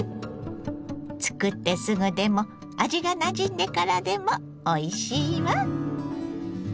作ってすぐでも味がなじんでからでもおいしいわ。